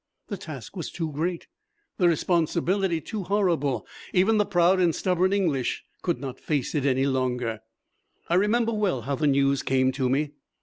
The task was too great the responsibility too horrible. Even the proud and stubborn English could not face it any longer. I remember well how the news came to me.